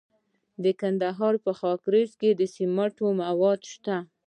د کندهار په خاکریز کې د سمنټو مواد شته.